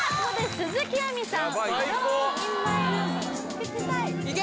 鈴木亜美さん